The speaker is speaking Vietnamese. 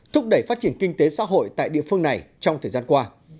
thúc đẩy phát triển kinh tế xã hội tại địa phương này trong thời gian qua